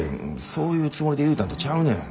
そういうつもりで言うたんとちゃうねん。